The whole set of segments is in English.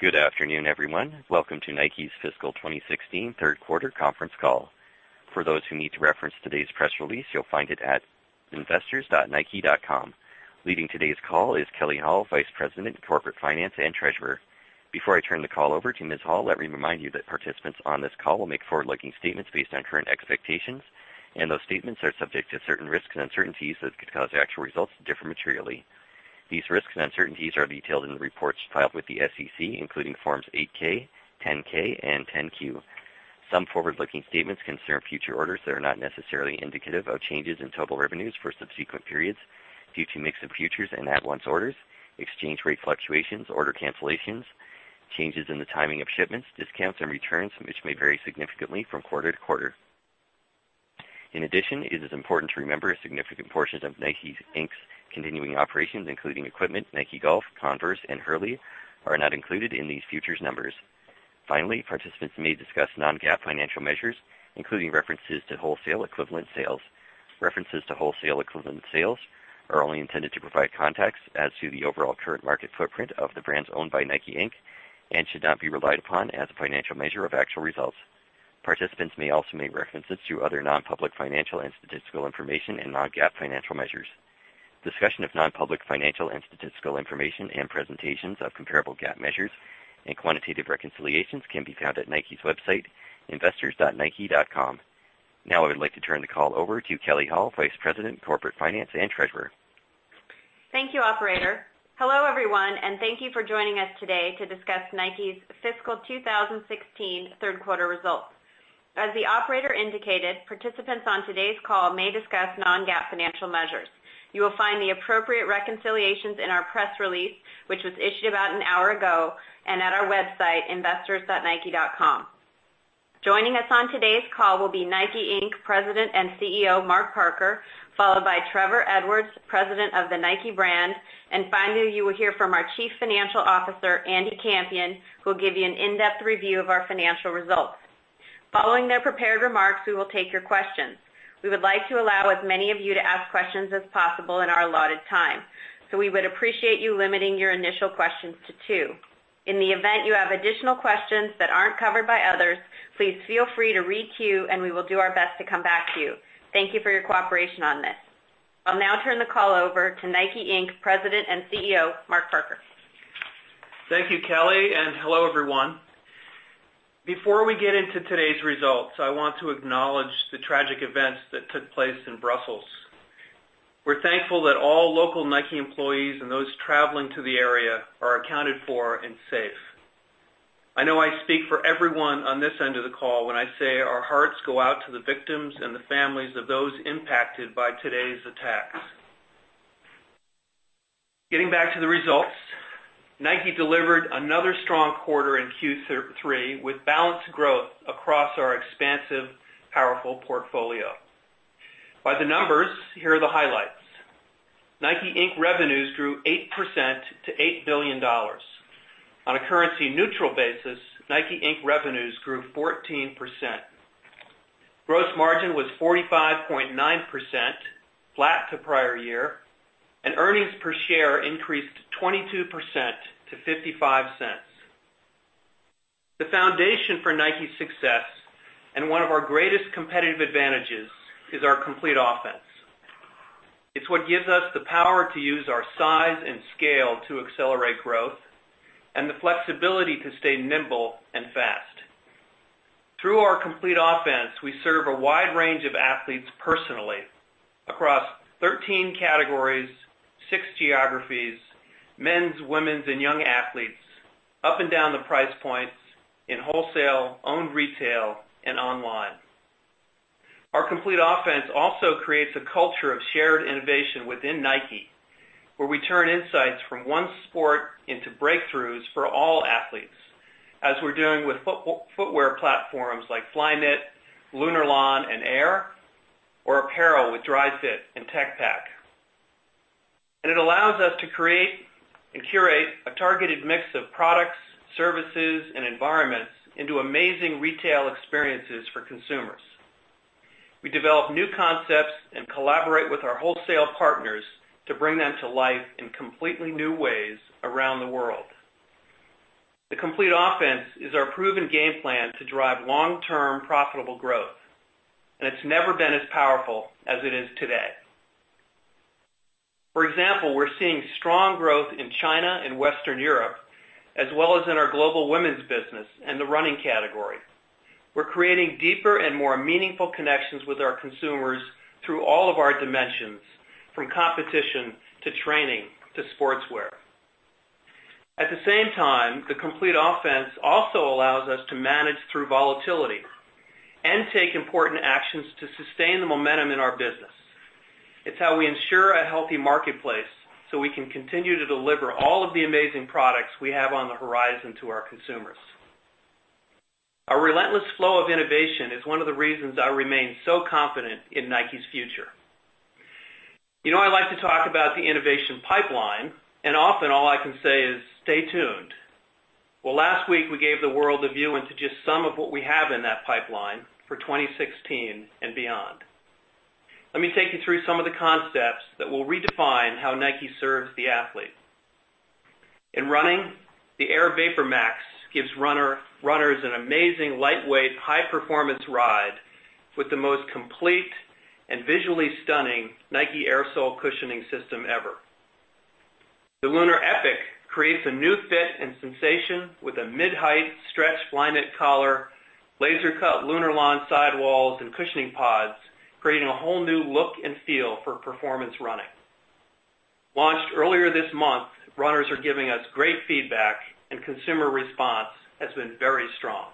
Good afternoon, everyone. Welcome to Nike's fiscal 2016 third quarter conference call. For those who need to reference today's press release, you'll find it at investors.nike.com. Leading today's call is Kelley Hall, Vice President, Corporate Finance and Treasurer. Before I turn the call over to Ms. Hall, let me remind you that participants on this call will make forward-looking statements based on current expectations, and those statements are subject to certain risks and uncertainties that could cause actual results to differ materially. These risks and uncertainties are detailed in the reports filed with the SEC, including Forms 8-K, 10-K, and 10-Q. Some forward-looking statements concern future orders that are not necessarily indicative of changes in total revenues for subsequent periods due to mix of futures and at-once orders, exchange rate fluctuations, order cancellations, changes in the timing of shipments, discounts, and returns, which may vary significantly from quarter to quarter. In addition, it is important to remember a significant portion of NIKE, Inc.'s continuing operations, including equipment, Nike Golf, Converse, and Hurley, are not included in these futures numbers. Finally, participants may discuss non-GAAP financial measures, including references to wholesale equivalent sales. References to wholesale equivalent sales are only intended to provide context as to the overall current market footprint of the brands owned by NIKE, Inc. and should not be relied upon as a financial measure of actual results. Participants may also make references to other non-public financial and statistical information and non-GAAP financial measures. Discussion of non-public financial and statistical information and presentations of comparable GAAP measures and quantitative reconciliations can be found at Nike's website, investors.nike.com. I would like to turn the call over to Kelley Hall, Vice President, Corporate Finance and Treasurer. Thank you, operator. Hello, everyone, and thank you for joining us today to discuss Nike's fiscal 2016 third quarter results. As the operator indicated, participants on today's call may discuss non-GAAP financial measures. You will find the appropriate reconciliations in our press release, which was issued about an hour ago, and at our website, investors.nike.com. Joining us on today's call will be NIKE, Inc. President and CEO, Mark Parker, followed by Trevor Edwards, President of the Nike Brand. Finally, you will hear from our Chief Financial Officer, Andy Campion, who will give you an in-depth review of our financial results. Following their prepared remarks, we will take your questions. We would like to allow as many of you to ask questions as possible in our allotted time, so we would appreciate you limiting your initial questions to two. In the event you have additional questions that aren't covered by others, please feel free to re-queue, and we will do our best to come back to you. Thank you for your cooperation on this. I'll now turn the call over to NIKE, Inc. President and CEO, Mark Parker. Thank you, Kelley, and hello, everyone. Before we get into today's results, I want to acknowledge the tragic events that took place in Brussels. We're thankful that all local Nike employees and those traveling to the area are accounted for and safe. I know I speak for everyone on this end of the call when I say our hearts go out to the victims and the families of those impacted by today's attacks. Getting back to the results, Nike delivered another strong quarter in Q3 with balanced growth across our expansive, powerful portfolio. By the numbers, here are the highlights. NIKE, Inc. revenues grew 8% to $8 billion. On a currency-neutral basis, NIKE, Inc. revenues grew 14%. Gross margin was 45.9%, flat to prior year. Earnings per share increased 22% to $0.55. The foundation for Nike's success and one of our greatest competitive advantages is our complete offense. It's what gives us the power to use our size and scale to accelerate growth and the flexibility to stay nimble and fast. Through our complete offense, we serve a wide range of athletes personally across 13 categories, 6 geographies, men's, women's, and young athletes, up and down the price points, in wholesale, owned retail, and online. Our complete offense also creates a culture of shared innovation within Nike, where we turn insights from one sport into breakthroughs for all athletes, as we're doing with footwear platforms like Flyknit, Lunarlon, and Air, or apparel with Dri-FIT and Tech Pack. It allows us to create and curate a targeted mix of products, services, and environments into amazing retail experiences for consumers. We develop new concepts and collaborate with our wholesale partners to bring them to life in completely new ways around the world. The complete offense is our proven game plan to drive long-term profitable growth. It's never been as powerful as it is today. For example, we're seeing strong growth in China and Western Europe, as well as in our global women's business and the running category. We're creating deeper and more meaningful connections with our consumers through all of our dimensions, from competition to training to sportswear. At the same time, the complete offense also allows us to manage through volatility and take important actions to sustain the momentum in our business. It's how we ensure a healthy marketplace so we can continue to deliver all of the amazing products we have on the horizon to our consumers. Our relentless flow of innovation is one of the reasons I remain so confident in Nike's future. You know I like to talk about the innovation pipeline. Often all I can say is stay tuned. Last week we gave the world a view into just some of what we have in that pipeline for 2016 and beyond. Let me take you through some of the concepts that will redefine how Nike serves the athlete. In running, the Air VaporMax gives runners an amazing lightweight, high-performance ride with the most complete and visually stunning Nike Air sole cushioning system ever. The LunarEpic creates a new fit and sensation with a mid-height stretch Flyknit collar, laser-cut Lunarlon sidewalls and cushioning pods, creating a whole new look and feel for performance running. Launched earlier this month, runners are giving us great feedback. Consumer response has been very strong.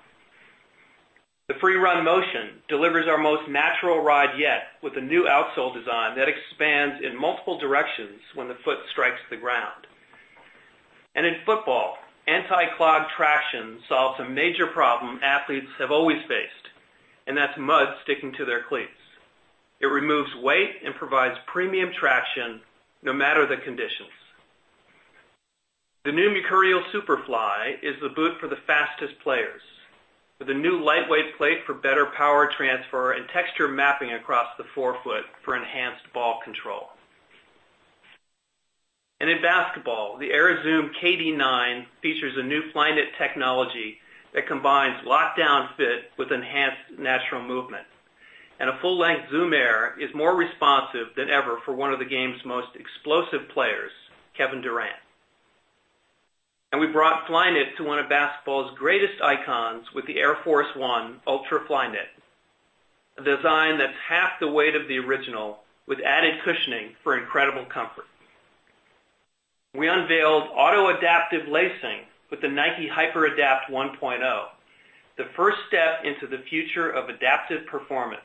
The Free RN Motion delivers our most natural ride yet, with a new outsole design that expands in multiple directions when the foot strikes the ground. In football, Anti-Clog Traction solves a major problem athletes have always faced, that’s mud sticking to their cleats. It removes weight and provides premium traction no matter the conditions. The new Mercurial Superfly is the boot for the fastest players, with a new lightweight plate for better power transfer and texture mapping across the forefoot for enhanced ball control. In basketball, the Air Zoom KD9 features a new Flyknit technology that combines lockdown fit with enhanced natural movement. A full-length Zoom Air is more responsive than ever for one of the game's most explosive players, Kevin Durant. We brought Flyknit to one of basketball's greatest icons with the Air Force 1 Ultra Flyknit, a design that's half the weight of the original, with added cushioning for incredible comfort. We unveiled auto-adaptive lacing with the Nike HyperAdapt 1.0, the first step into the future of adaptive performance.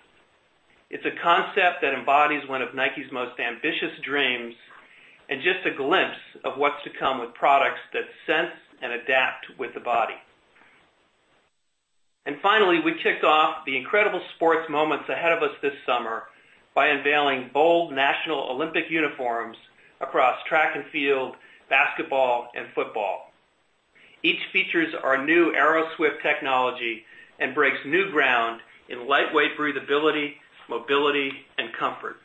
It's a concept that embodies one of Nike's most ambitious dreams and just a glimpse of what's to come with products that sense and adapt with the body. Finally, we kicked off the incredible sports moments ahead of us this summer by unveiling bold national Olympic uniforms across track and field, basketball, and football. Each features our new AeroSwift technology and breaks new ground in lightweight breathability, mobility, and comfort.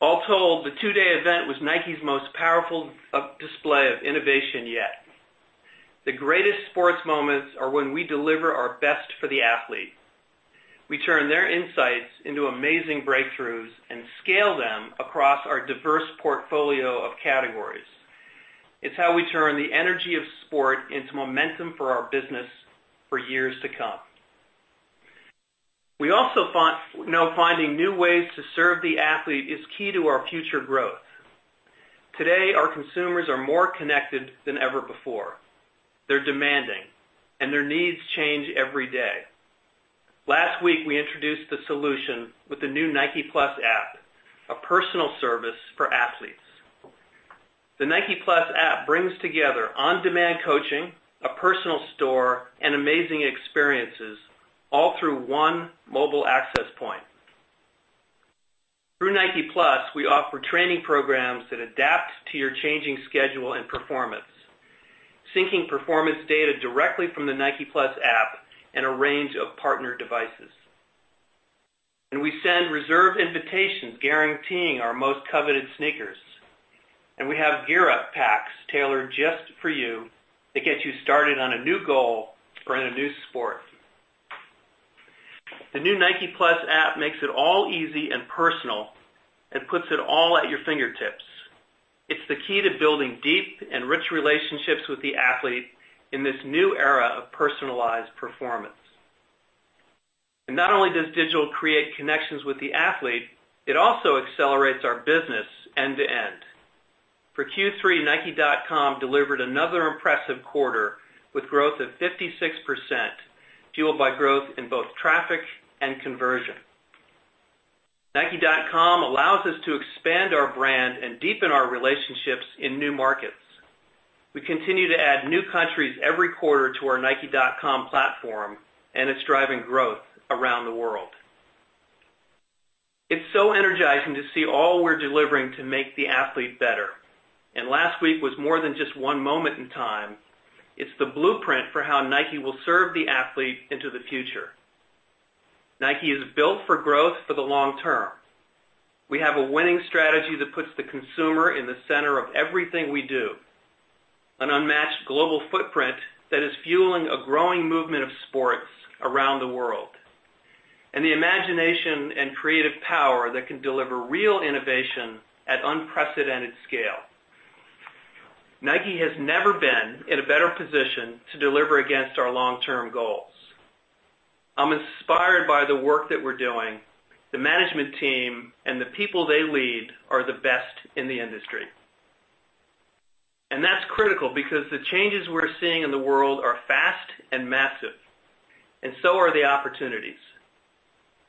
All told, the two-day event was Nike's most powerful display of innovation yet. The greatest sports moments are when we deliver our best for the athlete. We turn their insights into amazing breakthroughs and scale them across our diverse portfolio of categories. It's how we turn the energy of sport into momentum for our business for years to come. We also know finding new ways to serve the athlete is key to our future growth. Today, our consumers are more connected than ever before. They're demanding, and their needs change every day. Last week, we introduced the solution with the new Nike+ app, a personal service for athletes. The Nike+ app brings together on-demand coaching, a personal store, and amazing experiences all through one mobile access point. Through Nike+, we offer training programs that adapt to your changing schedule and performance, syncing performance data directly from the Nike+ app and a range of partner devices. We send reserved invitations guaranteeing our most coveted sneakers. We have Gear Up packs tailored just for you to get you started on a new goal or in a new sport. The new Nike+ app makes it all easy and personal and puts it all at your fingertips. It's the key to building deep and rich relationships with the athlete in this new era of personalized performance. Not only does digital create connections with the athlete, it also accelerates our business end to end. For Q3, nike.com delivered another impressive quarter, with growth of 56%, fueled by growth in both traffic and conversion. nike.com allows us to expand our brand and deepen our relationships in new markets. We continue to add new countries every quarter to our nike.com platform, and it's driving growth around the world. It's so energizing to see all we're delivering to make the athlete better. Last week was more than just one moment in time. It's the blueprint for how Nike will serve the athlete into the future. Nike is built for growth for the long term. We have a winning strategy that puts the consumer in the center of everything we do, an unmatched global footprint that is fueling a growing movement of sports around the world, and the imagination and creative power that can deliver real innovation at unprecedented scale. Nike has never been in a better position to deliver against our long-term goals. I'm inspired by the work that we're doing. The management team and the people they lead are the best in the industry. That's critical because the changes we're seeing in the world are fast and massive, and so are the opportunities.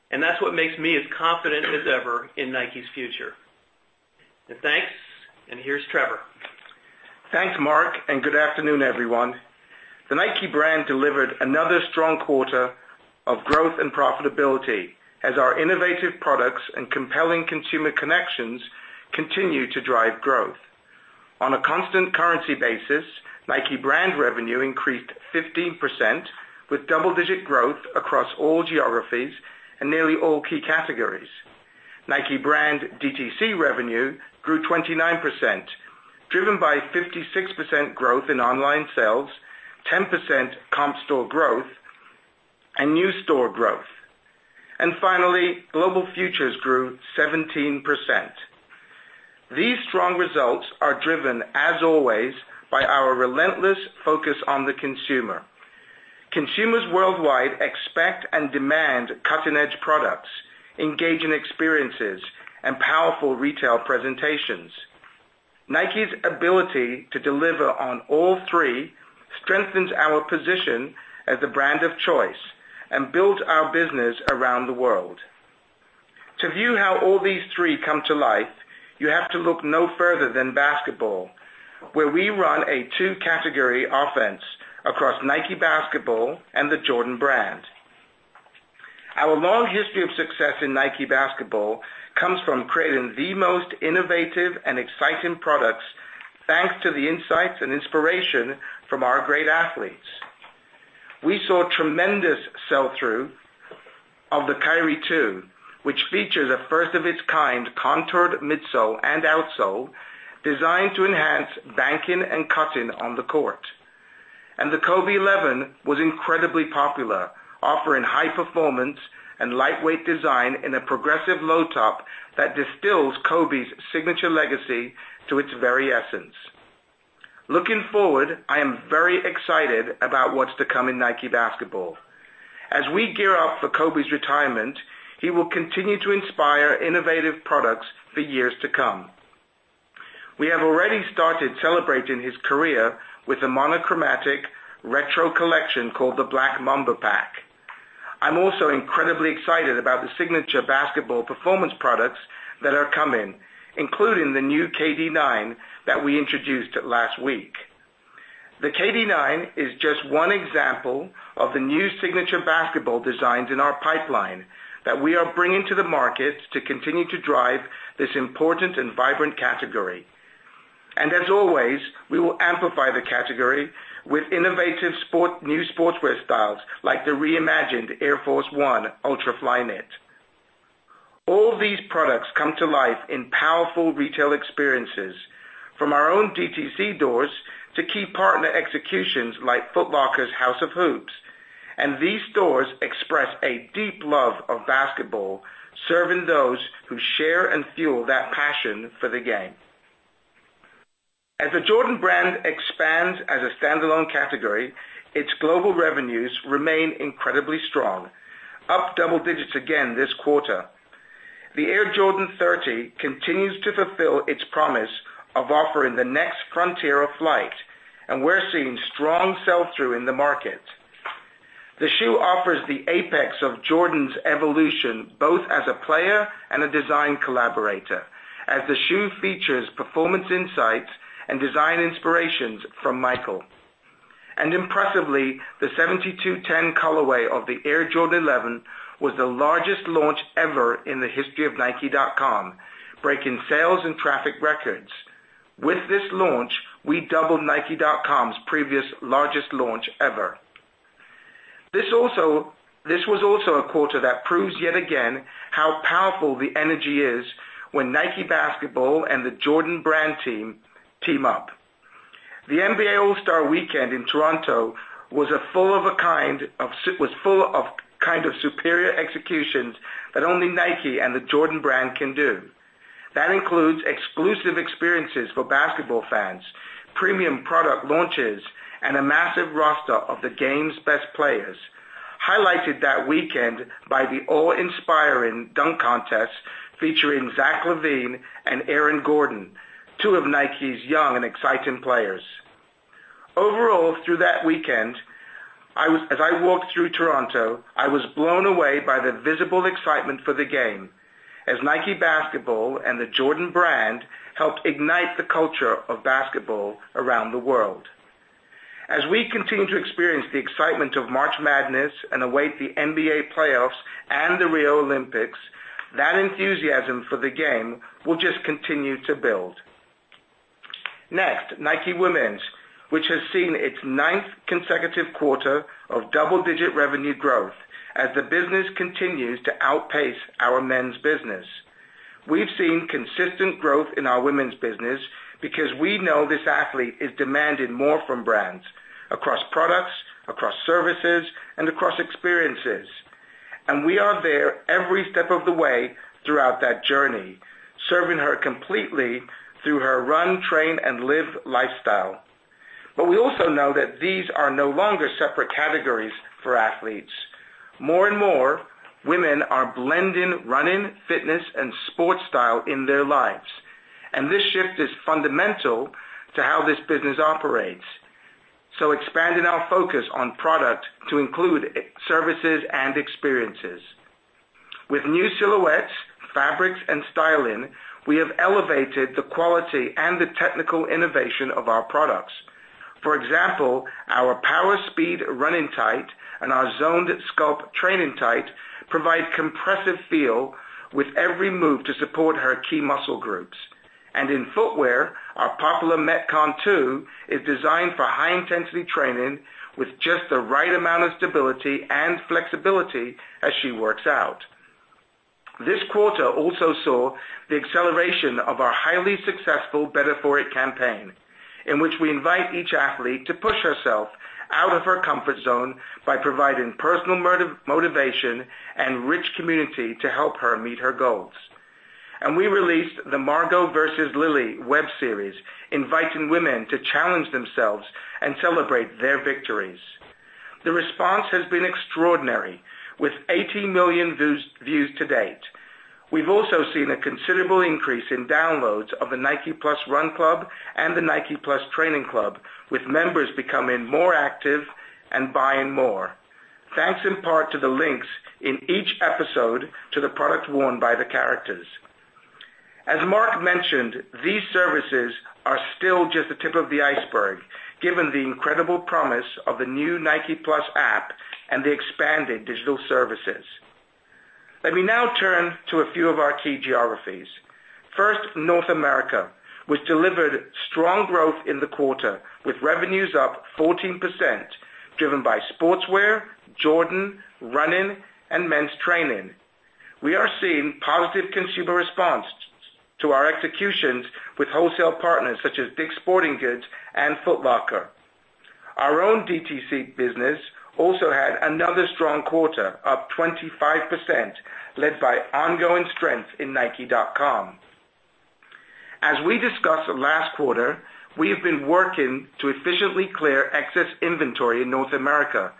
That's what makes me as confident as ever in Nike's future. Thanks. Here's Trevor. Thanks, Mark. Good afternoon, everyone. The Nike brand delivered another strong quarter of growth and profitability as our innovative products and compelling consumer connections continue to drive growth. On a constant currency basis, Nike brand revenue increased 15%, with double-digit growth across all geographies and nearly all key categories. Nike brand DTC revenue grew 29%, driven by 56% growth in online sales, 10% comp store growth, and new store growth. Finally, global futures grew 17%. These strong results are driven, as always, by our relentless focus on the consumer. Consumers worldwide expect and demand cutting-edge products, engaging experiences, and powerful retail presentations. Nike's ability to deliver on all three strengthens our position as a brand of choice and builds our business around the world. To view how all these three come to life, you have to look no further than basketball, where we run a two-category offense across Nike Basketball and the Jordan Brand. Our long history of success in Nike Basketball comes from creating the most innovative and exciting products, thanks to the insights and inspiration from our great athletes. We saw tremendous sell-through of the Kyrie 2, which features a first-of-its-kind contoured midsole and outsole designed to enhance banking and cutting on the court. The Kobe 11 was incredibly popular, offering high performance and lightweight design in a progressive low top that distills Kobe's signature legacy to its very essence. Looking forward, I am very excited about what's to come in Nike Basketball. As we gear up for Kobe's retirement, he will continue to inspire innovative products for years to come. We have already started celebrating his career with a monochromatic retro collection called the Black Mamba pack. I'm also incredibly excited about the signature basketball performance products that are coming, including the new KD 9 that we introduced last week. The KD 9 is just one example of the new signature basketball designs in our pipeline that we are bringing to the market to continue to drive this important and vibrant category. As always, we will amplify the category with innovative new sportswear styles like the reimagined Air Force 1 Ultra Flyknit. All these products come to life in powerful retail experiences, from our own DTC doors to key partner executions like Foot Locker's House of Hoops. These stores express a deep love of basketball, serving those who share and fuel that passion for the game. As the Jordan Brand expands as a standalone category, its global revenues remain incredibly strong, up double digits again this quarter. The Air Jordan 30 continues to fulfill its promise of offering the next frontier of flight, and we're seeing strong sell-through in the market. The shoe offers the apex of Jordan's evolution, both as a player and a design collaborator, as the shoe features performance insights and design inspirations from Michael. Impressively, the 72-10 colorway of the Air Jordan 11 was the largest launch ever in the history of nike.com, breaking sales and traffic records. With this launch, we doubled nike.com's previous largest launch ever. This was also a quarter that proves yet again how powerful the energy is when Nike Basketball and the Jordan Brand team up. The NBA All-Star Weekend in Toronto was full of superior executions that only Nike and the Jordan Brand can do. That includes exclusive experiences for basketball fans, premium product launches, and a massive roster of the game's best players, highlighted that weekend by the awe-inspiring Dunk Contest featuring Zach LaVine and Aaron Gordon, two of Nike's young and exciting players. Overall, through that weekend, as I walked through Toronto, I was blown away by the visible excitement for the game as Nike Basketball and the Jordan Brand helped ignite the culture of basketball around the world. As we continue to experience the excitement of March Madness and await the NBA playoffs and the Rio Olympics, that enthusiasm for the game will just continue to build. Next, Nike Women's, which has seen its ninth consecutive quarter of double-digit revenue growth as the business continues to outpace our men's business. We've seen consistent growth in our women's business because we know this athlete is demanding more from brands across products, across services, and across experiences. We are there every step of the way throughout that journey, serving her completely through her run, train, and live lifestyle. We also know that these are no longer separate categories for athletes. More and more, women are blending running, fitness, and sports style in their lives. This shift is fundamental to how this business operates, so expanding our focus on product to include services and experiences. With new silhouettes, fabrics, and styling, we have elevated the quality and the technical innovation of our products. For example, our Power Speed Running Tight and our Zoned Sculpt Training Tight provide compressive feel with every move to support her key muscle groups. In footwear, our popular Metcon 2 is designed for high-intensity training with just the right amount of stability and flexibility as she works out. This quarter also saw the acceleration of our highly successful Better For It campaign, in which we invite each athlete to push herself out of her comfort zone by providing personal motivation and rich community to help her meet her goals. We released the "Margot vs. Lily" web series, inviting women to challenge themselves and celebrate their victories. The response has been extraordinary, with 18 million views to date. We've also seen a considerable increase in downloads of the Nike+ Run Club and the Nike Training Club, with members becoming more active and buying more, thanks in part to the links in each episode to the products worn by the characters. As Mark mentioned, these services are still just the tip of the iceberg, given the incredible promise of the new Nike+ app and the expanded digital services. Let me now turn to a few of our key geographies. First, North America, which delivered strong growth in the quarter, with revenues up 14%, driven by sportswear, Jordan, running, and men's training. We are seeing positive consumer response to our executions with wholesale partners such as Dick's Sporting Goods and Foot Locker. Our own DTC business also had another strong quarter, up 25%, led by ongoing strength in nike.com. As we discussed last quarter, we have been working to efficiently clear excess inventory in North America,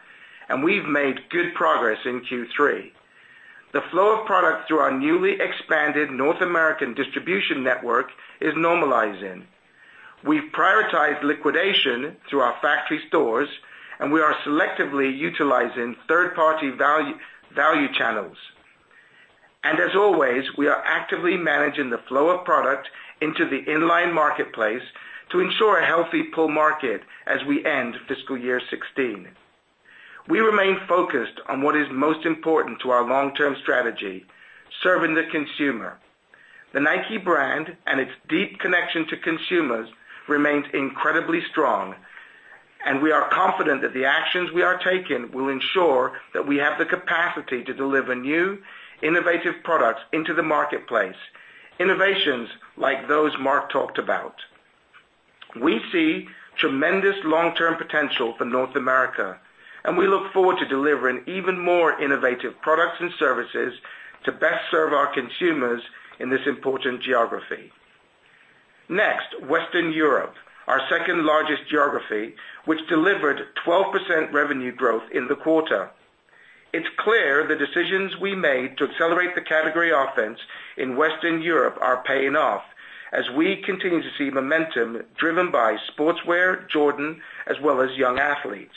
we've made good progress in Q3. The flow of product through our newly expanded North American distribution network is normalizing. We've prioritized liquidation through our factory stores, we are selectively utilizing third-party value channels. As always, we are actively managing the flow of product into the in-line marketplace to ensure a healthy pull market as we end fiscal year 2016. We remain focused on what is most important to our long-term strategy, serving the consumer. The Nike brand and its deep connection to consumers remains incredibly strong, we are confident that the actions we are taking will ensure that we have the capacity to deliver new, innovative products into the marketplace, innovations like those Mark talked about. We see tremendous long-term potential for North America, we look forward to delivering even more innovative products and services to best serve our consumers in this important geography. Next, Western Europe, our second-largest geography, which delivered 12% revenue growth in the quarter. It's clear the decisions we made to accelerate the category offense in Western Europe are paying off as we continue to see momentum driven by sportswear, Jordan, as well as young athletes.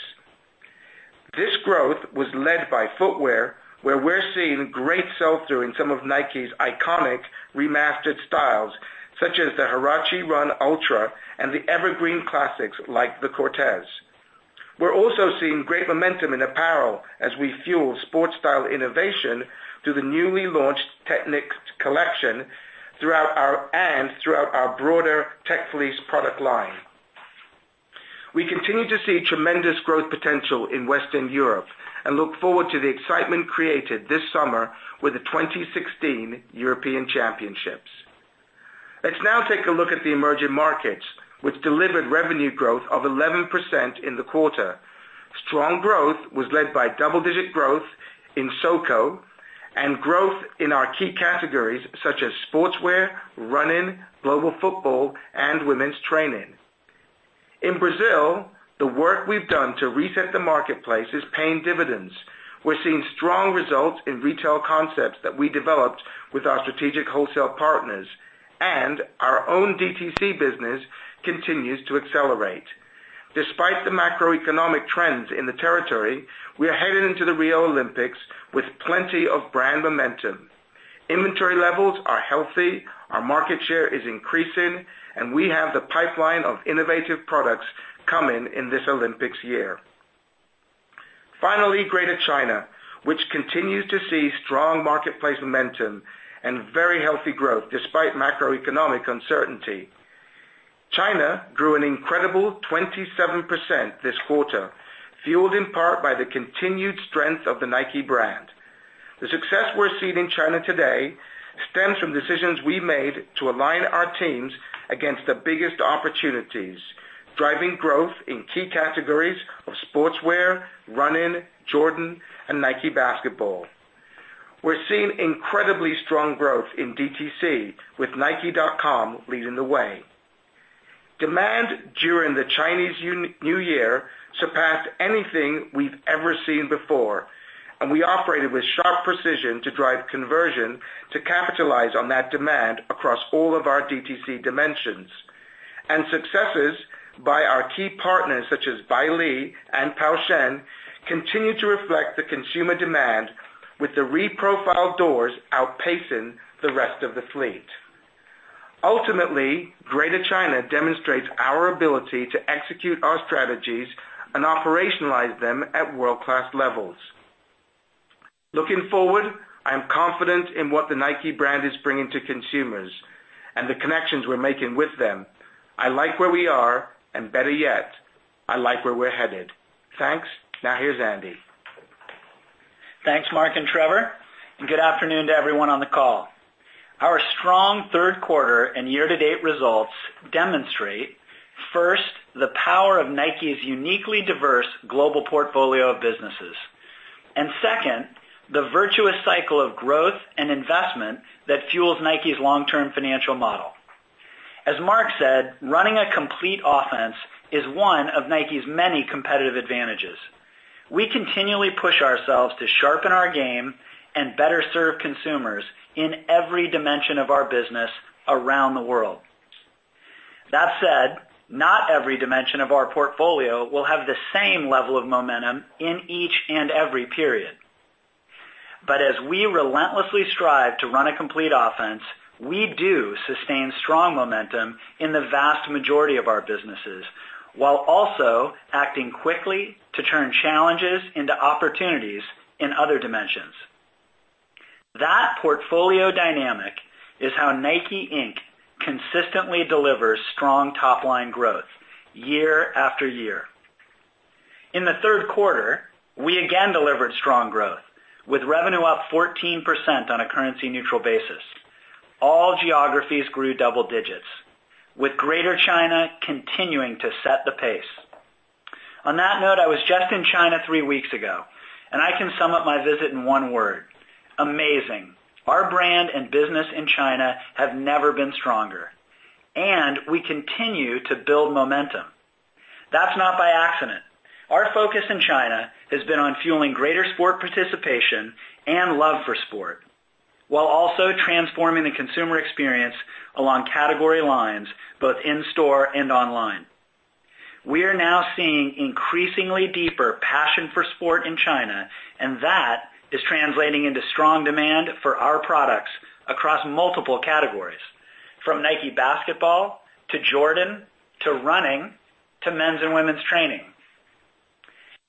This growth was led by footwear, where we're seeing great sell-through in some of Nike's iconic remastered styles, such as the Huarache Run Ultra and the evergreen classics like the Cortez. We're also seeing great momentum in apparel as we fuel sport style innovation through the newly launched Tech Knit collection and throughout our broader Tech Fleece product line. We continue to see tremendous growth potential in Western Europe, look forward to the excitement created this summer with the 2016 European Championships. Let's now take a look at the emerging markets, which delivered revenue growth of 11% in the quarter. Strong growth was led by double-digit growth in SoCo, growth in our key categories such as sportswear, running, global football, and women's training. In Brazil, the work we've done to reset the marketplace is paying dividends. We're seeing strong results in retail concepts that we developed with our strategic wholesale partners, our own DTC business continues to accelerate. Despite the macroeconomic trends in the territory, we are headed into the Rio Olympics with plenty of brand momentum. Inventory levels are healthy, our market share is increasing, we have the pipeline of innovative products coming in this Olympics year. Finally, Greater China, which continues to see strong marketplace momentum, very healthy growth despite macroeconomic uncertainty. China grew an incredible 27% this quarter, fueled in part by the continued strength of the Nike brand. The success we are seeing China today stems from decisions we made to align our teams against the biggest opportunities, driving growth in key categories of sportswear, running, Jordan, and Nike Basketball. We are seeing incredibly strong growth in DTC, with nike.com leading the way. Demand during the Chinese New Year surpassed anything we have ever seen before. We operated with sharp precision to drive conversion to capitalize on that demand across all of our DTC dimensions. Successes by our key partners, such as Belle and Pou Sheng, continue to reflect the consumer demand, with the reprofiled doors outpacing the rest of the fleet. Ultimately, Greater China demonstrates our ability to execute our strategies and operationalize them at world-class levels. Looking forward, I am confident in what the Nike brand is bringing to consumers and the connections we are making with them. I like where we are, and better yet, I like where we are headed. Thanks. Now here is Andy. Thanks, Mark and Trevor, and good afternoon to everyone on the call. Our strong third quarter and year-to-date results demonstrate, first, the power of Nike's uniquely diverse global portfolio of businesses. Second, the virtuous cycle of growth and investment that fuels Nike's long-term financial model. As Mark said, running a complete offense is one of Nike's many competitive advantages. We continually push ourselves to sharpen our game and better serve consumers in every dimension of our business around the world. That said, not every dimension of our portfolio will have the same level of momentum in each and every period. As we relentlessly strive to run a complete offense, we do sustain strong momentum in the vast majority of our businesses, while also acting quickly to turn challenges into opportunities in other dimensions. That portfolio dynamic is how NIKE, Inc. consistently delivers strong top-line growth year after year. In the third quarter, we again delivered strong growth, with revenue up 14% on a currency-neutral basis. All geographies grew double digits, with Greater China continuing to set the pace. On that note, I was just in China three weeks ago. I can sum up my visit in one word, amazing. Our brand and business in China have never been stronger. We continue to build momentum. That is not by accident. Our focus in China has been on fueling greater sport participation and love for sport, while also transforming the consumer experience along category lines, both in-store and online. We are now seeing increasingly deeper passion for sport in China. That is translating into strong demand for our products across multiple categories, from Nike Basketball to Jordan, to running, to men's and women's training.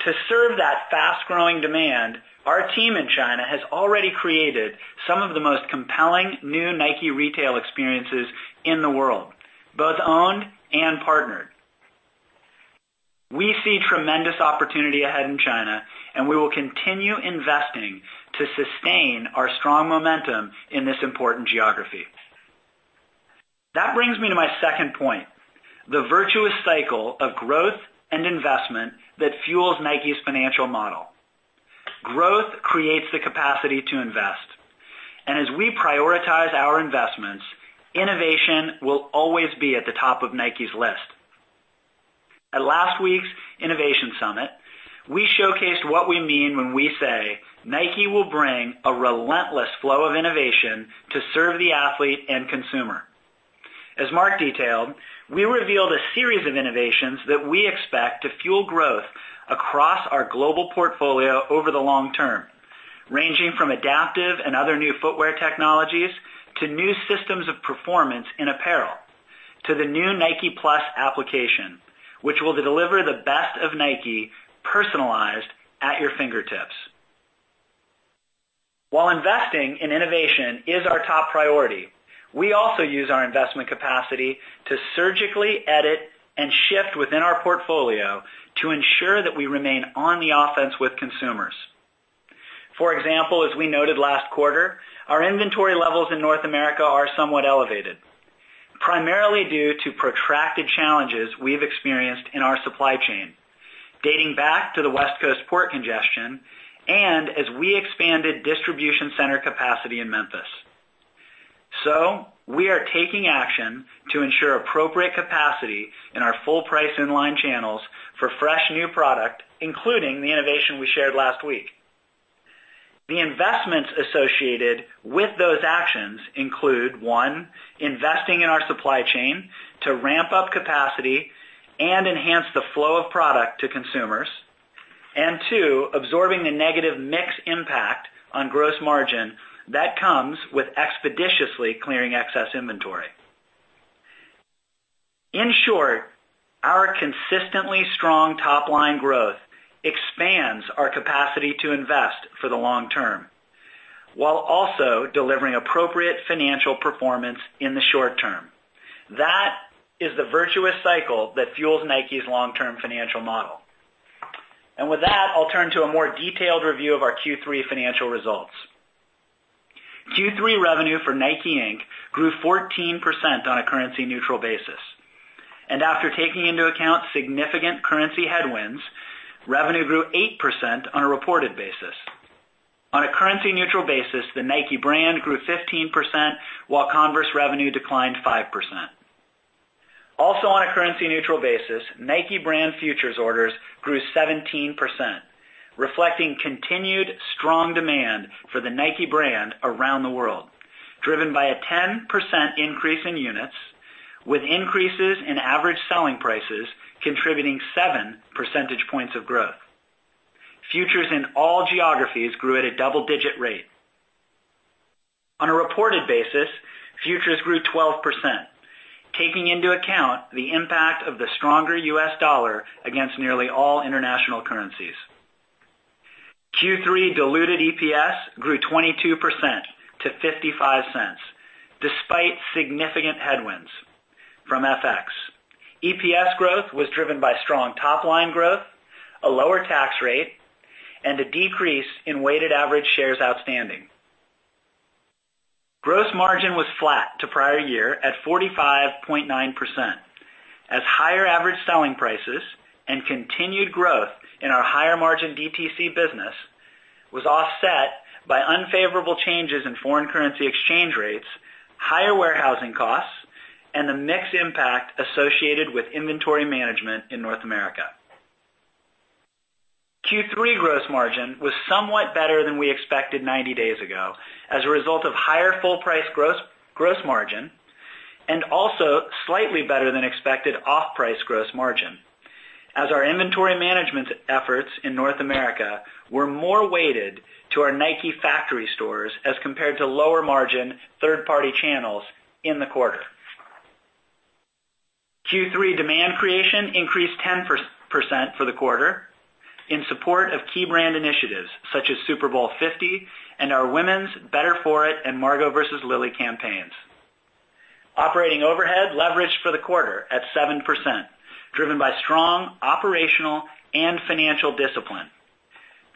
To serve that fast-growing demand, our team in China has already created some of the most compelling new Nike retail experiences in the world, both owned and partnered. We see tremendous opportunity ahead in China, and we will continue investing to sustain our strong momentum in this important geography. That brings me to my second point, the virtuous cycle of growth and investment that fuels NIKE's financial model. Growth creates the capacity to invest. As we prioritize our investments, innovation will always be at the top of NIKE's list. At last week's Innovation Summit, we showcased what we mean when we say Nike will bring a relentless flow of innovation to serve the athlete and consumer. As Mark detailed, we revealed a series of innovations that we expect to fuel growth across our global portfolio over the long term, ranging from adaptive and other new footwear technologies, to new systems of performance in apparel, to the new Nike+ application, which will deliver the best of Nike personalized at your fingertips. While investing in innovation is our top priority, we also use our investment capacity to surgically edit and shift within our portfolio to ensure that we remain on the offense with consumers. For example, as we noted last quarter, our inventory levels in North America are somewhat elevated, primarily due to protracted challenges we've experienced in our supply chain, dating back to the West Coast port congestion, and as we expanded distribution center capacity in Memphis. We are taking action to ensure appropriate capacity in our full price inline channels for fresh new product, including the innovation we shared last week. The investments associated with those actions include, 1, investing in our supply chain to ramp up capacity and enhance the flow of product to consumers. 2, absorbing the negative mix impact on gross margin that comes with expeditiously clearing excess inventory. In short, our consistently strong top-line growth expands our capacity to invest for the long term, while also delivering appropriate financial performance in the short term. That is the virtuous cycle that fuels NIKE's long-term financial model. With that, I'll turn to a more detailed review of our Q3 financial results. Q3 revenue for NIKE, Inc. grew 14% on a currency-neutral basis. After taking into account significant currency headwinds, revenue grew 8% on a reported basis. On a currency-neutral basis, the Nike brand grew 15%, while Converse revenue declined 5%. Also, on a currency-neutral basis, Nike brand futures orders grew 17%. Reflecting continued strong demand for the Nike brand around the world, driven by a 10% increase in units, with increases in average selling prices contributing seven percentage points of growth. Futures in all geographies grew at a double-digit rate. On a reported basis, futures grew 12%, taking into account the impact of the stronger U.S. dollar against nearly all international currencies. Q3 diluted EPS grew 22% to $0.55, despite significant headwinds from FX. EPS growth was driven by strong top-line growth, a lower tax rate, and a decrease in weighted average shares outstanding. Gross margin was flat to prior year at 45.9%, as higher average selling prices and continued growth in our higher margin DTC business was offset by unfavorable changes in foreign currency exchange rates, higher warehousing costs, and the mix impact associated with inventory management in North America. Q3 gross margin was somewhat better than we expected 90 days ago as a result of higher full price gross margin and also slightly better than expected off-price gross margin. As our inventory management efforts in North America were more weighted to our Nike factory stores as compared to lower margin third-party channels in the quarter. Q3 demand creation increased 10% for the quarter in support of key brand initiatives such as Super Bowl 50 and our women's Better For It and Margot vs. Lily campaigns. Operating overhead leverage for the quarter at 7%, driven by strong operational and financial discipline,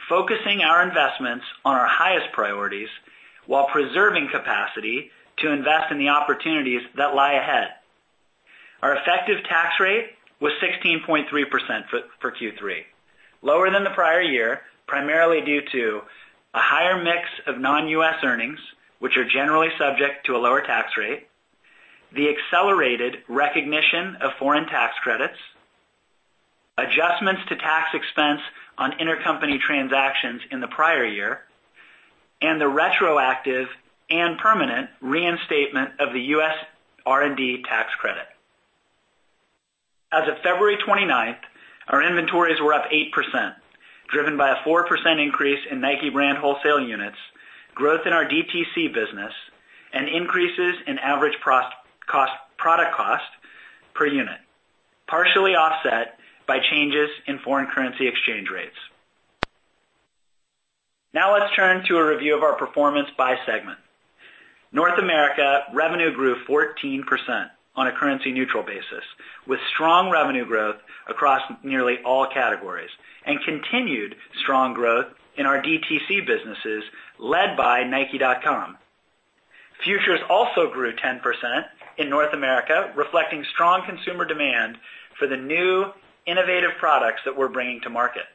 focusing our investments on our highest priorities while preserving capacity to invest in the opportunities that lie ahead. Our effective tax rate was 16.3% for Q3, lower than the prior year, primarily due to a higher mix of non-U.S. earnings, which are generally subject to a lower tax rate, the accelerated recognition of foreign tax credits, adjustments to tax expense on intercompany transactions in the prior year, and the retroactive and permanent reinstatement of the U.S. R&D tax credit. As of February 29th, our inventories were up 8%, driven by a 4% increase in Nike brand wholesale units, growth in our DTC business, and increases in average product cost per unit, partially offset by changes in foreign currency exchange rates. Let's turn to a review of our performance by segment. North America revenue grew 14% on a currency-neutral basis, with strong revenue growth across nearly all categories and continued strong growth in our DTC businesses, led by nike.com. Futures also grew 10% in North America, reflecting strong consumer demand for the new innovative products that we're bringing to market.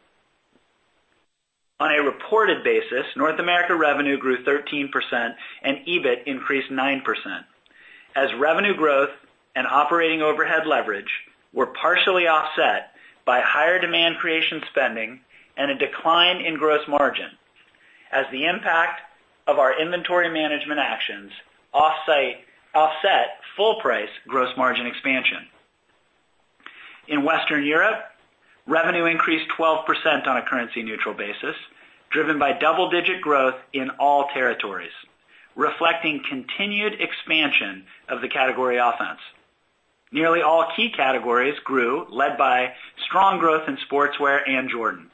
On a reported basis, North America revenue grew 13% and EBIT increased 9%, as revenue growth and operating overhead leverage were partially offset by higher demand creation spending and a decline in gross margin as the impact of our inventory management actions offset full price gross margin expansion. In Western Europe, revenue increased 12% on a currency-neutral basis, driven by double-digit growth in all territories, reflecting continued expansion of the category offense. Nearly all key categories grew, led by strong growth in sportswear and Jordan.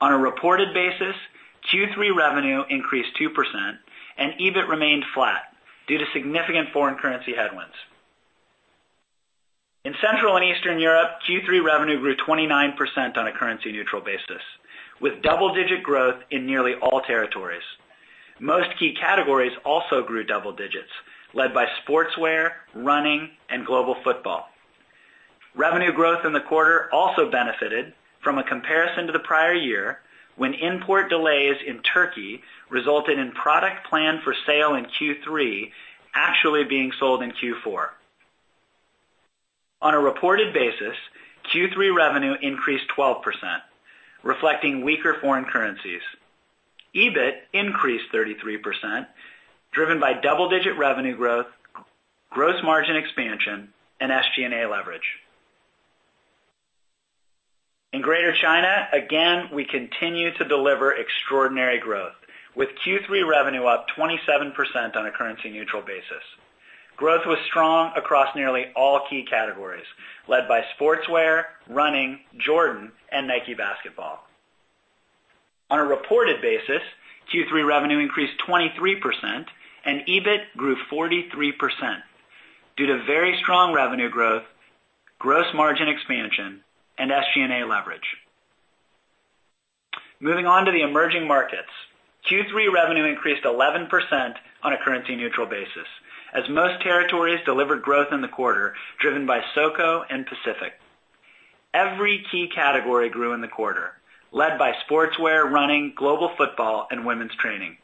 On a reported basis, Q3 revenue increased 2% and EBIT remained flat due to significant foreign currency headwinds. In Central and Eastern Europe, Q3 revenue grew 29% on a currency-neutral basis, with double-digit growth in nearly all territories. Most key categories also grew double digits, led by sportswear, running, and global football. Revenue growth in the quarter also benefited from a comparison to the prior year, when import delays in Turkey resulted in product planned for sale in Q3 actually being sold in Q4. On a reported basis, Q3 revenue increased 12%, reflecting weaker foreign currencies. EBIT increased 33%, driven by double-digit revenue growth, gross margin expansion, and SG&A leverage. In Greater China, we continue to deliver extraordinary growth, with Q3 revenue up 27% on a currency-neutral basis. Growth was strong across nearly all key categories, led by sportswear, running, Jordan, and Nike Basketball. On a reported basis, Q3 revenue increased 23% and EBIT grew 43% due to very strong revenue growth, gross margin expansion, and SG&A leverage. Moving on to the emerging markets. Q3 revenue increased 11% on a currency-neutral basis as most territories delivered growth in the quarter, driven by SoCo and Pacific. Every key category grew in the quarter, led by sportswear, running, global football, and women's training.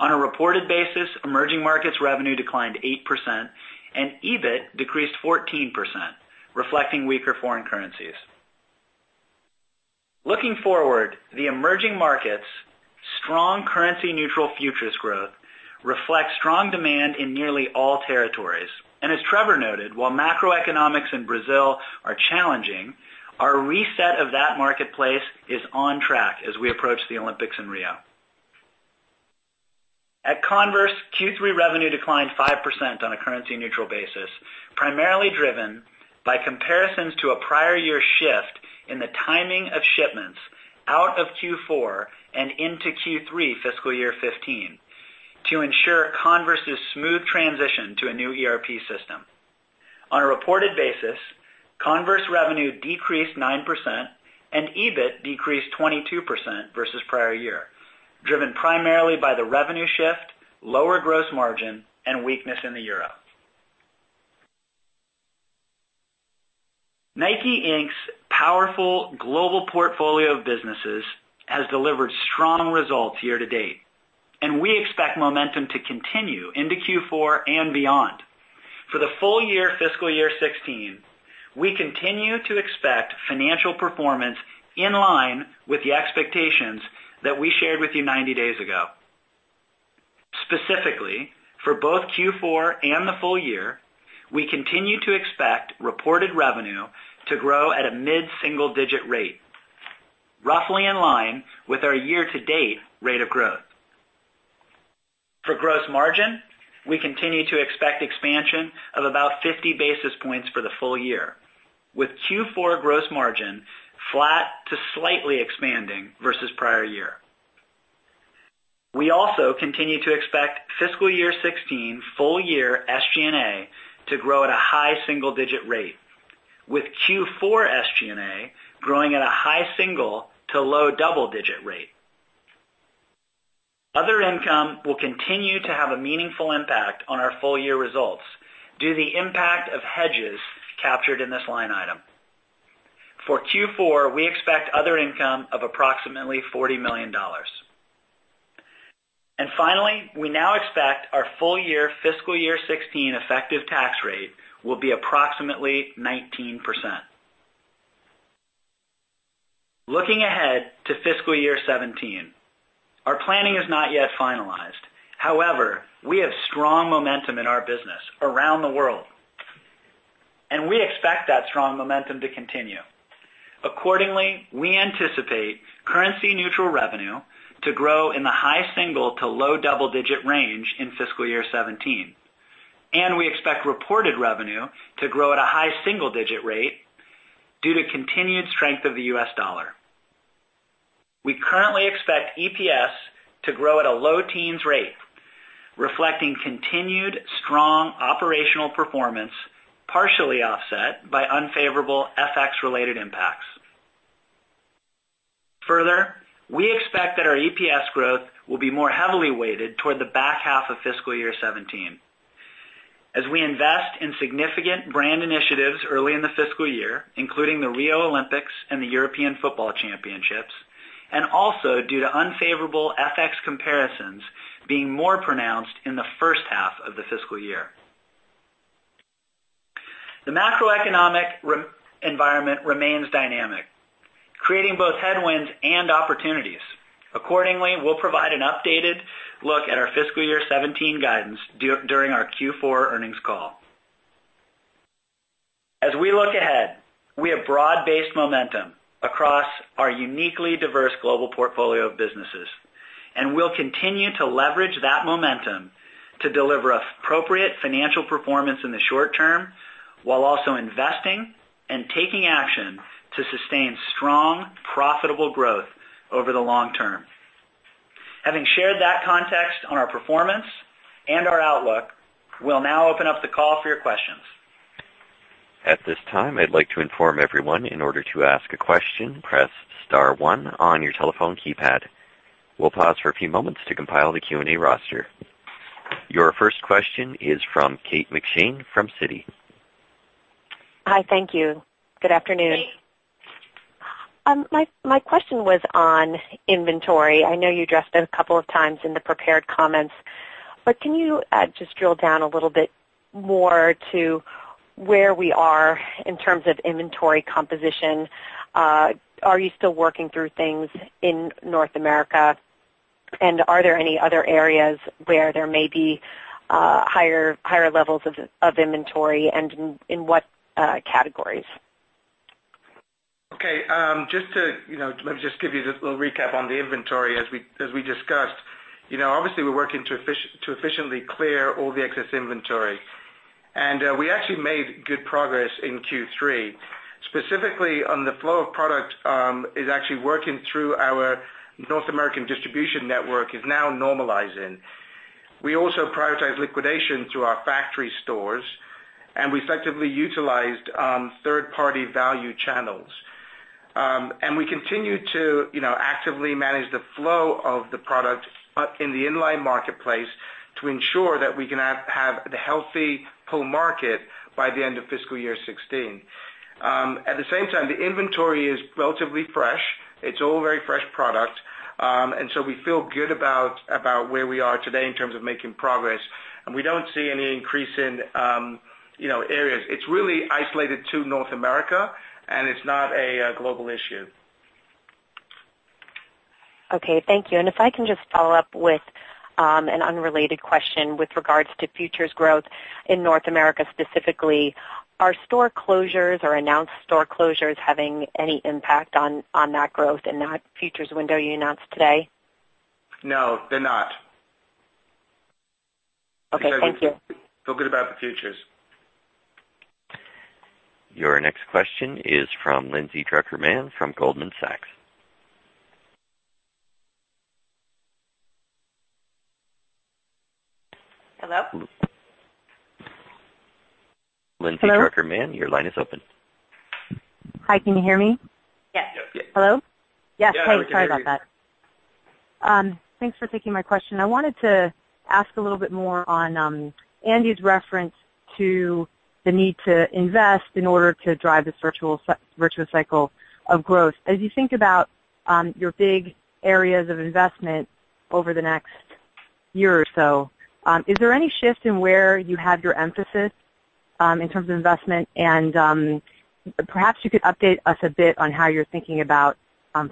On a reported basis, emerging markets revenue declined 8%, and EBIT decreased 14%, reflecting weaker foreign currencies. Looking forward, the emerging markets' strong currency-neutral futures growth reflects strong demand in nearly all territories. As Trevor noted, while macroeconomics in Brazil are challenging, our reset of that marketplace is on track as we approach the Olympics in Rio. At Converse, Q3 revenue declined 5% on a currency-neutral basis, primarily driven by comparisons to a prior year shift in the timing of shipments out of Q4 and into Q3 fiscal year 2015, to ensure Converse's smooth transition to a new ERP system. On a reported basis, Converse revenue decreased 9%, and EBIT decreased 22% versus the prior year, driven primarily by the revenue shift, lower gross margin, and weakness in the EUR. NIKE, Inc.'s powerful global portfolio of businesses has delivered strong results year-to-date. We expect momentum to continue into Q4 and beyond. For the full year fiscal year 2016, we continue to expect financial performance in line with the expectations that we shared with you 90 days ago. Specifically, for both Q4 and the full year, we continue to expect reported revenue to grow at a mid-single-digit rate, roughly in line with our year-to-date rate of growth. For gross margin, we continue to expect expansion of about 50 basis points for the full year, with Q4 gross margin flat to slightly expanding versus the prior year. We also continue to expect fiscal year 2016 full-year SG&A to grow at a high single-digit rate, with Q4 SG&A growing at a high single to low double-digit rate. Other income will continue to have a meaningful impact on our full-year results due to the impact of hedges captured in this line item. For Q4, we expect other income of approximately $40 million. Finally, we now expect our full-year fiscal year 2016 effective tax rate will be approximately 19%. Looking ahead to fiscal year 2017, our planning is not yet finalized. We have strong momentum in our business around the world. We expect that strong momentum to continue. Accordingly, we anticipate currency-neutral revenue to grow in the high single to low double-digit range in fiscal year 2017. We expect reported revenue to grow at a high single-digit rate due to the continued strength of the U.S. dollar. We currently expect EPS to grow at a low teens rate, reflecting continued strong operational performance, partially offset by unfavorable FX-related impacts. We expect that our EPS growth will be more heavily weighted toward the back half of fiscal year 2017 as we invest in significant brand initiatives early in the fiscal year, including the Rio 2016 and the UEFA Euro 2016, also due to unfavorable FX comparisons being more pronounced in the first half of the fiscal year. The macroeconomic environment remains dynamic, creating both headwinds and opportunities. Accordingly, we'll provide an updated look at our fiscal year 2017 guidance during our Q4 earnings call. As we look ahead, we have broad-based momentum across our uniquely diverse global portfolio of businesses, and we'll continue to leverage that momentum to deliver appropriate financial performance in the short term while also investing and taking action to sustain strong, profitable growth over the long term. Having shared that context on our performance and our outlook, we'll now open up the call for your questions. At this time, I'd like to inform everyone in order to ask a question, press star one on your telephone keypad. We'll pause for a few moments to compile the Q&A roster. Your first question is from Kate McShane from Citi. Hi, thank you. Good afternoon. My question was on inventory. I know you addressed it a couple of times in the prepared comments, can you just drill down a little bit more to where we are in terms of inventory composition? Are you still working through things in North America? Are there any other areas where there may be higher levels of inventory, and in what categories? Okay. Let me just give you a little recap on the inventory. As we discussed, obviously, we're working to efficiently clear all the excess inventory. We actually made good progress in Q3. Specifically, on the flow of product, is actually working through our North American distribution network is now normalizing. We also prioritize liquidation through our factory stores, we effectively utilized third-party value channels. We continue to actively manage the flow of the product in the inline marketplace to ensure that we can have the healthy pull market by the end of fiscal year 2016. At the same time, the inventory is relatively fresh. It's all very fresh product. So we feel good about where we are today in terms of making progress. We don't see any increase in areas. It's really isolated to North America, and it's not a global issue. Okay, thank you. If I can just follow up with an unrelated question with regards to futures growth in North America specifically. Are store closures or announced store closures having any impact on that growth and that futures window you announced today? No, they're not. Okay, thank you. Feel good about the futures. Your next question is from Lindsay Drucker Mann from Goldman Sachs. Hello? Lindsay Drucker Mann, your line is open. Hi, can you hear me? Yes. Hello? Yes. Yeah, we can hear you. Sorry about that. Thanks for taking my question. I wanted to ask a little bit more on Andy's reference to the need to invest in order to drive the virtuous cycle of growth. As you think about your big areas of investment over the next year or so, is there any shift in where you have your emphasis in terms of investment? Perhaps you could update us a bit on how you're thinking about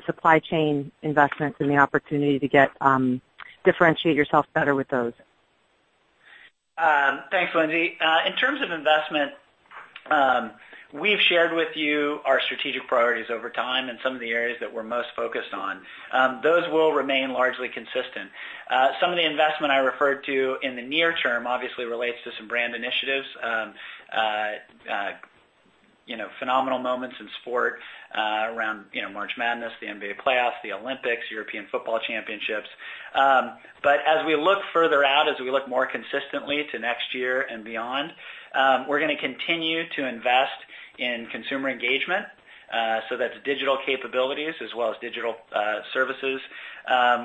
supply chain investments and the opportunity to differentiate yourself better with those. Thanks, Lindsay. In terms of investment, we've shared with you our strategic priorities over time and some of the areas that we're most focused on. Those will remain largely consistent. Some of the investment I referred to in the near term obviously relates to some brand initiatives. Phenomenal moments in sport around March Madness, the NBA playoffs, the Olympics, European football championships. As we look further out, as we look more consistently to next year and beyond, we're going to continue to invest in consumer engagement. That's digital capabilities as well as digital services.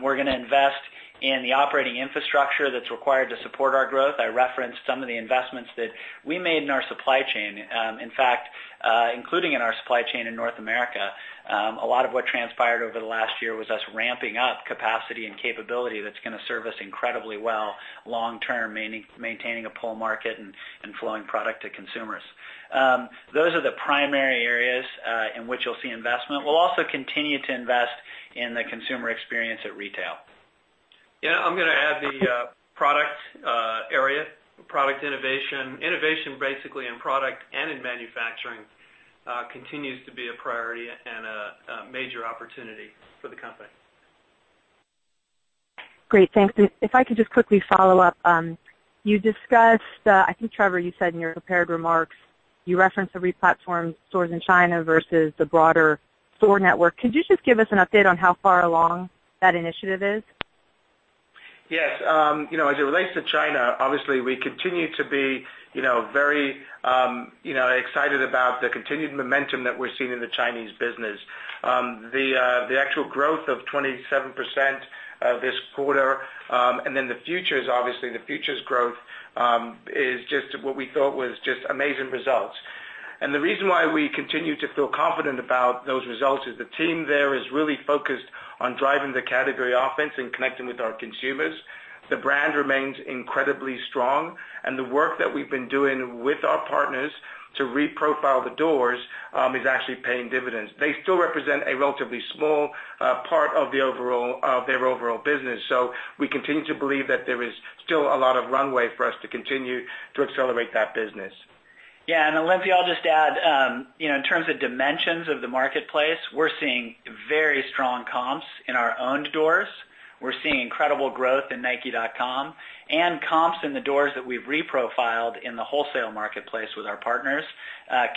We're going to invest in the operating infrastructure that's required to support our growth. I referenced some of the investments that we made in our supply chain. In fact, including in our supply chain in North America. A lot of what transpired over the last year was us ramping up capacity and capability that's going to serve us incredibly well long term, maintaining a pull market and flowing product to consumers. Those are the primary areas in which you'll see investment. We'll also continue to invest in the consumer experience at retail. Yeah, I'm going to add the product area, product innovation. Innovation basically in product and in manufacturing continues to be a priority and a major opportunity for the company. Great, thanks. If I could just quickly follow up. You discussed, I think, Trevor, you said in your prepared remarks, you referenced the replatform stores in China versus the broader store network. Could you just give us an update on how far along that initiative is? Yes. As it relates to China, obviously, we continue to be very excited about the continued momentum that we're seeing in the Chinese business. The actual growth of 27% this quarter, the futures, obviously the futures growth, is just what we thought was just amazing results. The reason why we continue to feel confident about those results is the team there is really focused on driving the category offense and connecting with our consumers. The brand remains incredibly strong, and the work that we've been doing with our partners to reprofile the doors is actually paying dividends. They still represent a relatively small part of their overall business. We continue to believe that there is still a lot of runway for us to continue to accelerate that business. Lindsay, I'll just add, in terms of dimensions of the marketplace, we're seeing very strong comps in our owned doors. We're seeing incredible growth in nike.com and comps in the doors that we've reprofiled in the wholesale marketplace with our partners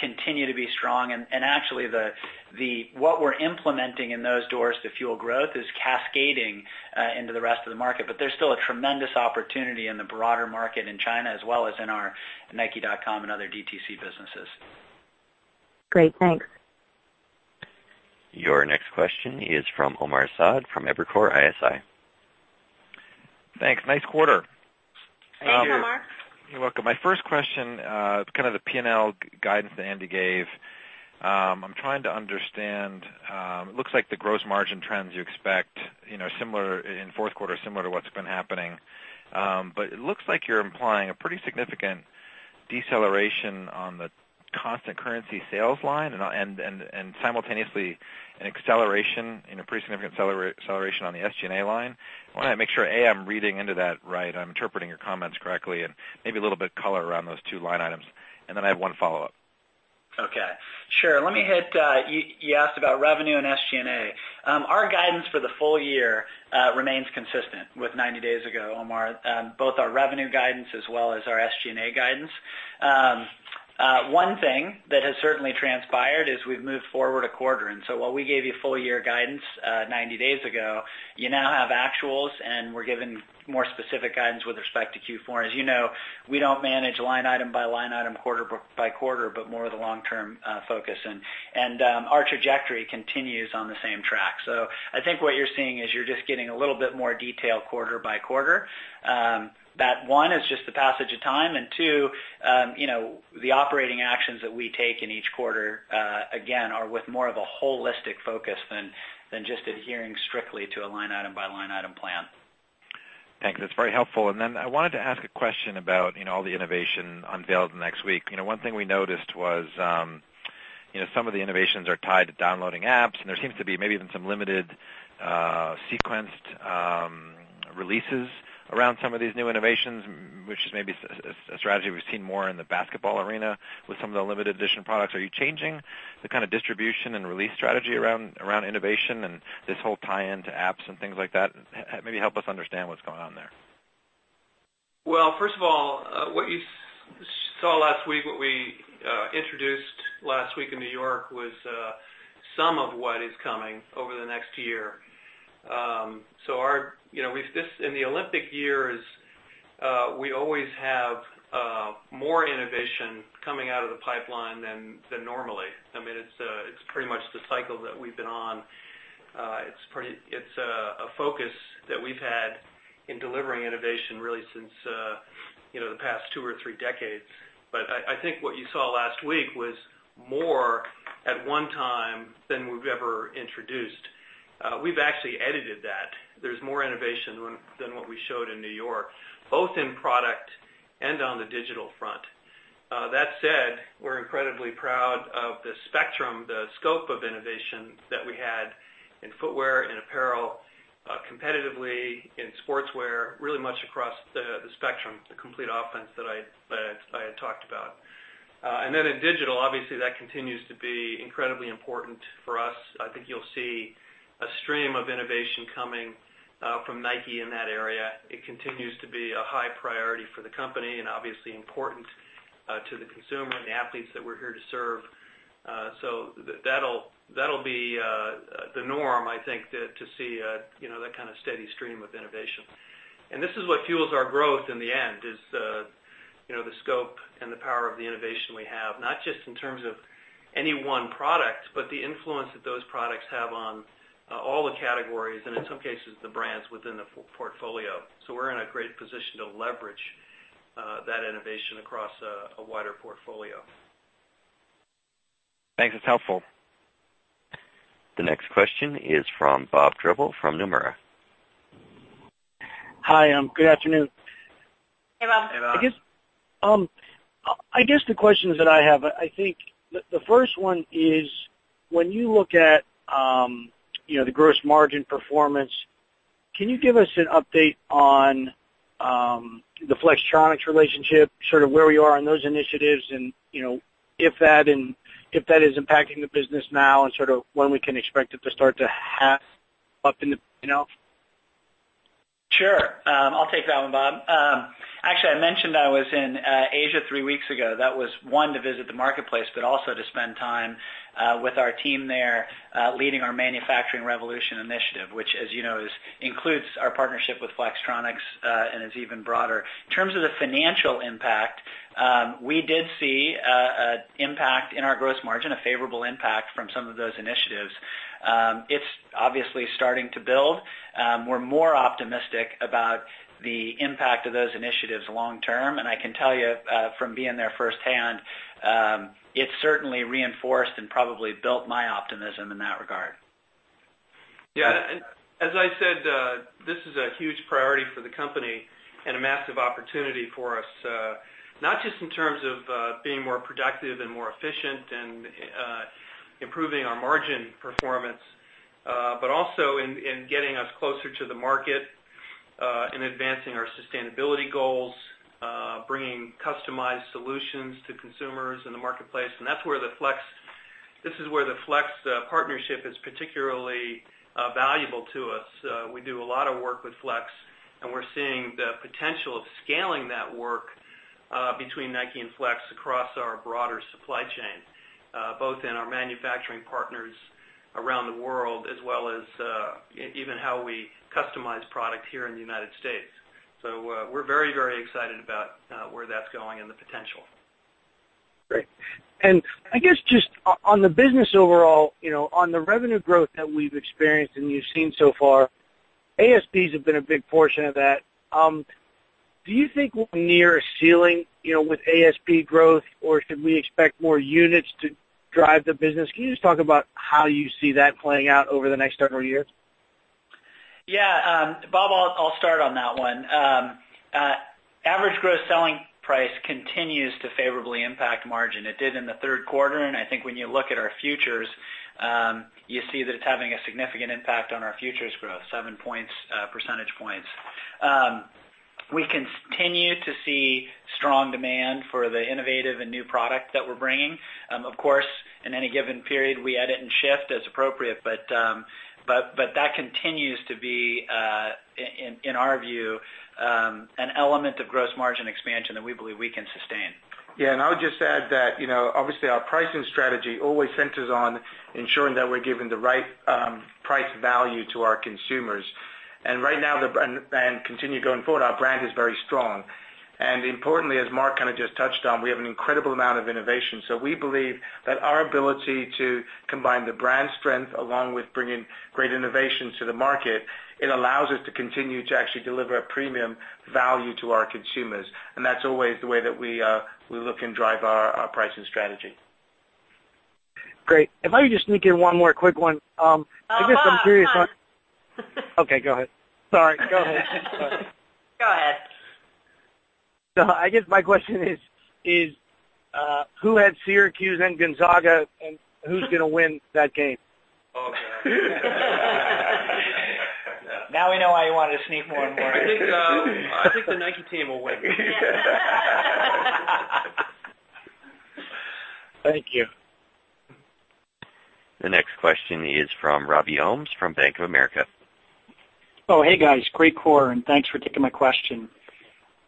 continue to be strong. Actually, what we're implementing in those doors to fuel growth is cascading into the rest of the market. There's still a tremendous opportunity in the broader market in China, as well as in our nike.com and other DTC businesses. Great, thanks. Your next question is from Omar Saad from Evercore ISI. Thanks. Nice quarter. Thank you, Omar. You're welcome. My first question, kind of the P&L guidance that Andy gave. I'm trying to understand. It looks like the gross margin trends you expect in fourth quarter, similar to what's been happening. It looks like you're implying a pretty significant deceleration on the constant currency sales line and simultaneously an acceleration, a pretty significant acceleration on the SG&A line. Want to make sure, A, I'm reading into that right, I'm interpreting your comments correctly, and maybe a little bit color around those two line items. Then I have one follow-up. Okay. Sure. You asked about revenue and SG&A. Our guidance for the full year remains consistent with 90 days ago, Omar, both our revenue guidance as well as our SG&A guidance. One thing that has certainly transpired is we've moved forward a quarter. While we gave you full year guidance 90 days ago, you now have actuals, and we're giving more specific guidance with respect to Q4. As you know, we don't manage line item by line item, quarter by quarter, but more the long-term focus. Our trajectory continues on the same track. I think what you're seeing is you're just getting a little bit more detail quarter by quarter. That one, is just the passage of time, and two, the operating actions that we take in each quarter, again, are with more of a holistic focus than just adhering strictly to a line item. Thanks. It's very helpful. Then I wanted to ask a question about all the innovation unveiled next week. One thing we noticed was some of the innovations are tied to downloading apps, and there seems to be maybe even some limited sequenced releases around some of these new innovations, which may be a strategy we've seen more in the basketball arena with some of the limited edition products. Are you changing the kind of distribution and release strategy around innovation and this whole tie-in to apps and things like that? Maybe help us understand what's going on there. First of all, what you saw last week, what we introduced last week in New York was some of what is coming over the next year. In the Olympic years, we always have more innovation coming out of the pipeline than normally. It's pretty much the cycle that we've been on. It's a focus that we've had in delivering innovation, really, since the past two or three decades. I think what you saw last week was more at one time than we've ever introduced. We've actually edited that. There's more innovation than what we showed in New York, both in product and on the digital front. That said, we're incredibly proud of the spectrum, the scope of innovation that we had in footwear and apparel, competitively in sportswear, really much across the spectrum, the complete offense that I had talked about. In digital, obviously, that continues to be incredibly important for us. I think you'll see a stream of innovation coming from Nike in that area. It continues to be a high priority for the company and obviously important to the consumer and the athletes that we're here to serve. That'll be the norm, I think, to see that kind of steady stream of innovation. This is what fuels our growth in the end, is the scope and the power of the innovation we have, not just in terms of any one product, but the influence that those products have on all the categories and, in some cases, the brands within the portfolio. We're in a great position to leverage that innovation across a wider portfolio. Thanks. It's helpful. The next question is from Bob Drbul from Nomura. Hi, good afternoon. Hey, Bob. Hey, Bob. I guess the questions that I have, I think the first one is, when you look at the gross margin performance, can you give us an update on the Flex relationship, sort of where you are on those initiatives and if that is impacting the business now and sort of when we can expect it to start to have up in the Sure. I will take that one, Bob. Actually, I mentioned I was in Asia three weeks ago. That was, one, to visit the marketplace, but also to spend time with our team there, leading our manufacturing revolution initiative, which as you know, includes our partnership with Flex, and is even broader. In terms of the financial impact, we did see an impact in our gross margin, a favorable impact from some of those initiatives. It is obviously starting to build. We are more optimistic about the impact of those initiatives long term. I can tell you from being there firsthand, it certainly reinforced and probably built my optimism in that regard. As I said, this is a huge priority for the company and a massive opportunity for us, not just in terms of being more productive and more efficient and improving our margin performance, but also in getting us closer to the market, in advancing our sustainability goals, bringing customized solutions to consumers in the marketplace. This is where the Flex partnership is particularly valuable to us. We do a lot of work with Flex, and we are seeing the potential of scaling that work between Nike and Flex across our broader supply chain, both in our manufacturing partners around the world as well as even how we customize product here in the U.S. We are very excited about where that is going and the potential. Great. I guess just on the business overall, on the revenue growth that we have experienced and you have seen so far, ASPs have been a big portion of that. Do you think we are near a ceiling with ASP growth, or should we expect more units to drive the business? Can you just talk about how you see that playing out over the next several years? Bob, I will start on that one. Average gross selling price continues to favorably impact margin. It did in the third quarter. I think when you look at our futures, you see that it is having a significant impact on our futures growth, seven percentage points. We continue to see strong demand for the innovative and new product that we are bringing. Of course, in any given period, we edit and shift as appropriate. That continues to be, in our view, an element of gross margin expansion that we believe we can sustain. Yeah, I would just add that obviously our pricing strategy always centers on ensuring that we're giving the right price value to our consumers. Right now, and continue going forward, our brand is very strong. Importantly, as Mark kind of just touched on, we have an incredible amount of innovation. We believe that our ability to combine the brand strength along with bringing great innovation to the market, it allows us to continue to actually deliver a premium value to our consumers. That's always the way that we look and drive our pricing strategy. Great. If I could just sneak in one more quick one. Bob. Come on. Okay, go ahead. Sorry. Go ahead. Go ahead. I guess my question is who had Syracuse and Gonzaga, and who's going to win that game? Oh, God. Now we know why you wanted to sneak one more in. I think the Nike team will win. Yeah. Thank you. The next question is from Robbie Ohmes from Bank of America. Hey, guys. Great quarter, thanks for taking my question.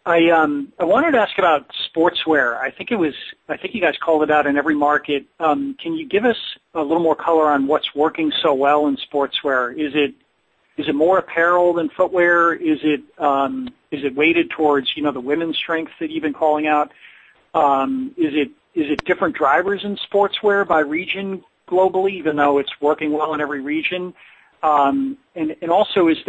I wanted to ask about sportswear. I think you guys called it out in every market. Can you give us a little more color on what's working so well in sportswear? Is it more apparel than footwear? Is it weighted towards the women's strength that you've been calling out? Is it different drivers in sportswear by region globally, even though it's working well in every region? Also, is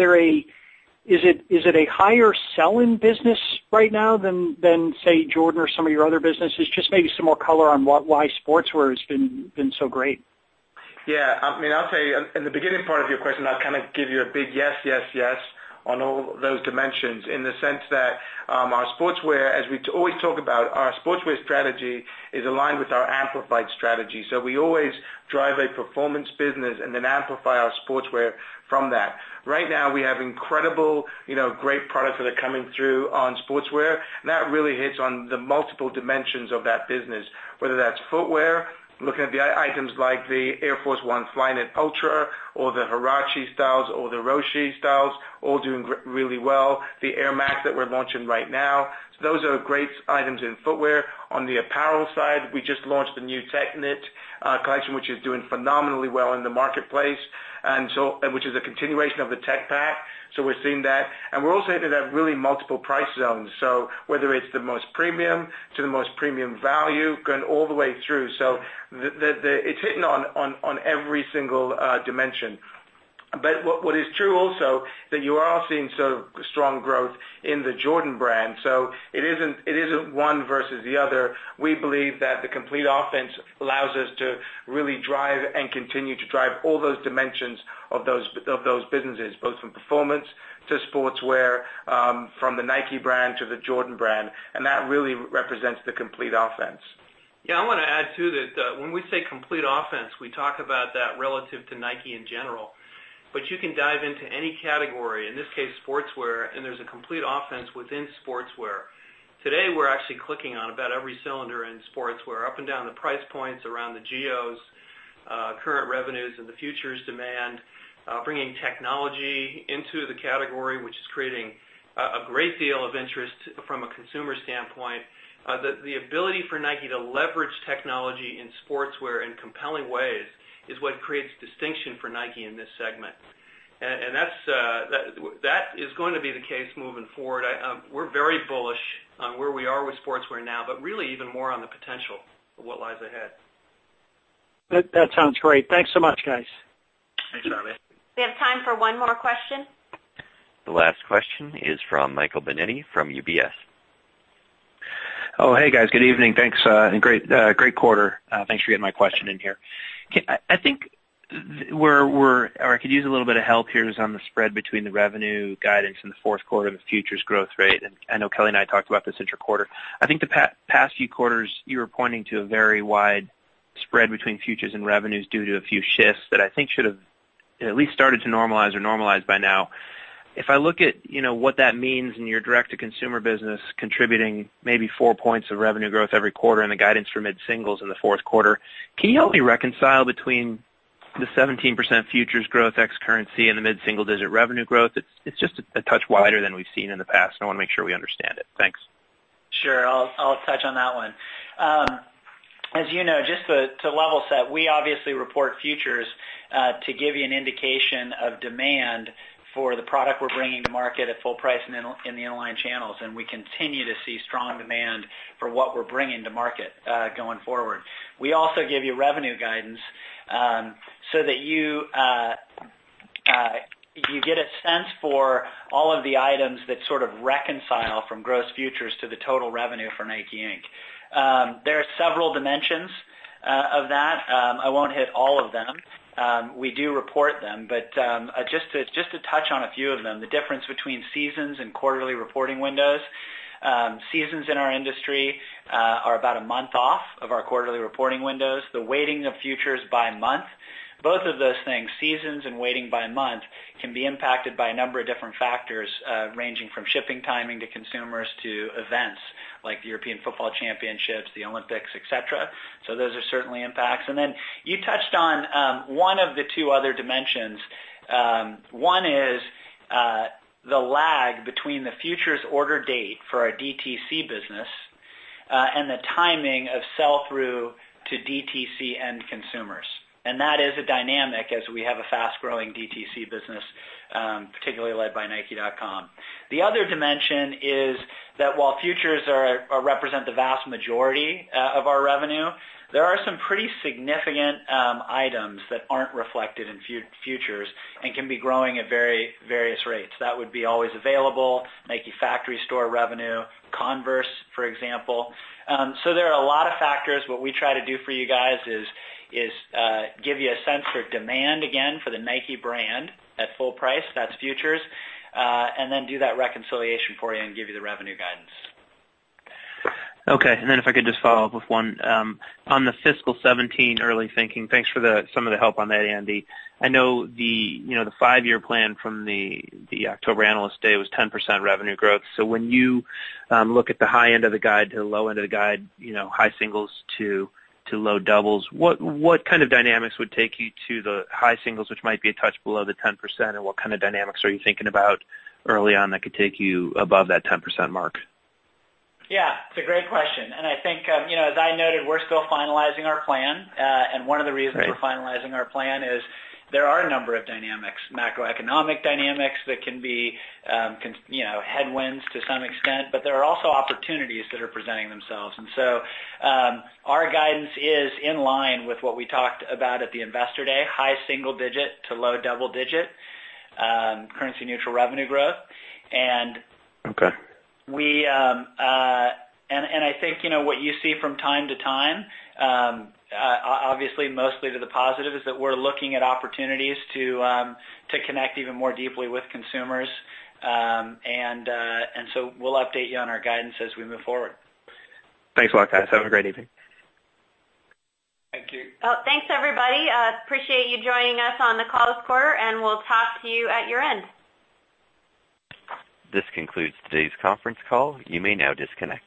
it a higher sell in business right now than, say, Jordan or some of your other businesses? Just maybe some more color on why sportswear has been so great. Yeah. I'll tell you, in the beginning part of your question, I'll kind of give you a big yes on all those dimensions in the sense that our sportswear, as we always talk about, our sportswear strategy is aligned with our amplified strategy. We always drive a performance business and then amplify our sportswear from that. Right now, we have incredible, great products that are coming through on sportswear, and that really hits on the multiple dimensions of that business, whether that's footwear, looking at the items like the Air Force 1 Ultra Flyknit or the Huarache styles or the Roshe styles, all doing really well. The Air Max that we're launching right now. Those are great items in footwear. On the apparel side, we just launched the new Tech Knit collection, which is doing phenomenally well in the marketplace, which is a continuation of the Tech Pack. We're seeing that, and we're also hitting at really multiple price zones. Whether it's the most premium to the most premium value, going all the way through. It's hitting on every single dimension. What is true also, that you are seeing sort of strong growth in the Jordan Brand. It isn't one versus the other. We believe that the complete offense allows us to really drive and continue to drive all those dimensions of those businesses, both from performance to sportswear, from the Nike brand to the Jordan Brand, and that really represents the complete offense. Yeah. I want to add, too, that when we say complete offense, we talk about that relative to Nike in general. You can dive into any category, in this case, sportswear, and there's a complete offense within sportswear. Today, we're actually clicking on about every cylinder in sportswear, up and down the price points, around the geos, current revenues and the futures demand, bringing technology into the category, which is creating a great deal of interest from a consumer standpoint. The ability for Nike to leverage technology in sportswear in compelling ways is what creates distinction for Nike in this segment. That is going to be the case moving forward. We're very bullish on where we are with sportswear now, but really even more on the potential of what lies ahead. That sounds great. Thanks so much, guys. Thanks, Robbie. We have time for one more question. The last question is from Michael Binetti from UBS. Oh, hey, guys. Good evening. Thanks, and great quarter. Thanks for getting my question in here. I think I could use a little bit of help here on the spread between the revenue guidance in the fourth quarter and the futures growth rate. I know Kelley and I talked about this inter-quarter. I think the past few quarters, you were pointing to a very wide spread between futures and revenues due to a few shifts that I think should've at least started to normalize or normalize by now. If I look at what that means in your direct-to-consumer business, contributing maybe four points of revenue growth every quarter and the guidance for mid-singles in the fourth quarter, can you help me reconcile between the 17% futures growth ex-currency and the mid-single-digit revenue growth? It's just a touch wider than we've seen in the past, and I want to make sure we understand it. Thanks. Sure. I'll touch on that one. As you know, just to level set, we obviously report futures, to give you an indication of demand for the product we're bringing to market at full price in the online channels, and we continue to see strong demand for what we're bringing to market, going forward. We also give you revenue guidance, so that you get a sense for all of the items that sort of reconcile from gross futures to the total revenue for NIKE, Inc. There are several dimensions of that. I won't hit all of them. We do report them, but just to touch on a few of them, the difference between seasons and quarterly reporting windows. Seasons in our industry are about a month off of our quarterly reporting windows. The weighting of futures by month. Both of those things, seasons and weighting by month, can be impacted by a number of different factors, ranging from shipping timing to consumers to events like European football championships, the Olympics, et cetera. Those are certainly impacts. You touched on one of the two other dimensions. One is the lag between the futures order date for our DTC business, and the timing of sell-through to DTC end consumers. That is a dynamic as we have a fast-growing DTC business, particularly led by nike.com. The other dimension is that while futures represent the vast majority of our revenue, there are some pretty significant items that aren't reflected in futures and can be growing at various rates. That would be always available, Nike factory store revenue, Converse, for example. There are a lot of factors. What we try to do for you guys is give you a sense for demand, again, for the Nike brand at full price, that's futures, and then do that reconciliation for you and give you the revenue guidance. Okay, if I could just follow up with one. On the fiscal 2017 early thinking, thanks for some of the help on that, Andy. I know the five-year plan from the October Analyst Day was 10% revenue growth. When you look at the high end of the guide to the low end of the guide, high singles to low doubles, what kind of dynamics would take you to the high singles, which might be a touch below the 10%, and what kind of dynamics are you thinking about early on that could take you above that 10% mark? Yeah. It's a great question. I think, as I noted, we're still finalizing our plan. One of the reasons we're finalizing our plan is there are a number of dynamics, macroeconomic dynamics that can be headwinds to some extent, but there are also opportunities that are presenting themselves. Our guidance is in line with what we talked about at the Investor Day, high single digit to low double digit, currency neutral revenue growth. Okay. I think, what you see from time to time, obviously, mostly to the positive, is that we're looking at opportunities to connect even more deeply with consumers. We'll update you on our guidance as we move forward. Thanks a lot, guys. Have a great evening. Thank you. Well, thanks, everybody. Appreciate you joining us on the call this quarter, and we'll talk to you at your end. This concludes today's conference call. You may now disconnect.